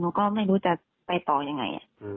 มันก็ไม่รู้จะไปต่อยังไง